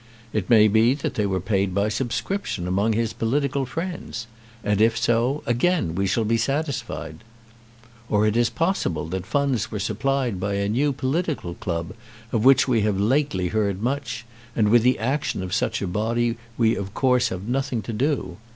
It may be that they were paid by subscription among his political friends, and if so, again we shall be satisfied. Or it is possible that funds were supplied by a new political club of which we have lately heard much, and with the action of such a body we of course have nothing to do.